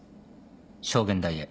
証言台へ。